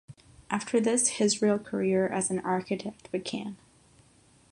After this his real career as an architect began.